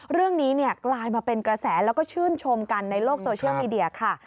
เรื่องนี้กลายมาเป็นกระแสแล้วก็ชื่นชมกันในโลกโซเชียลมีเดียค่ะ